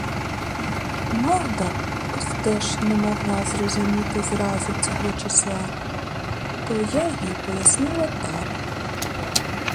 Магда ось теж не могла зрозуміти зразу цього числа, то я їй пояснила так.